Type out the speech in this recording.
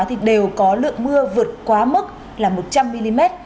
thì đều có lượng mưa vượt quá mức là một trăm linh mm